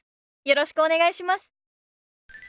よろしくお願いします。